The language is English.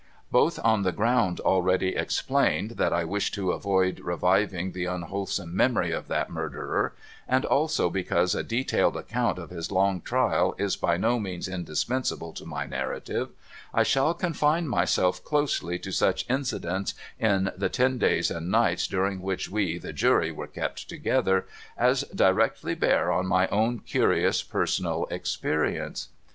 Both on the ground already explained, that I wish to avoid reviving the unwholesome memory of that Murderer, and also because a detailed account of his long trial is by no means indis pensable to my narrative, I shall confine myself closely to such incidents in the ten days and nights during which we, the Jury, were kept together, as directly bear on my own curious personal experience.